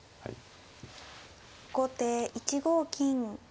後手１五金。